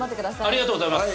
ありがとうございます！